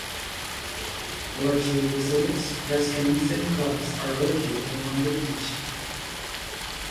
Luxury resorts, restaurants, and clubs are located along the beach.